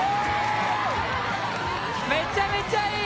めちゃめちゃいい。